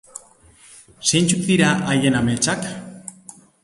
Zeintzuk dira haien ametsak?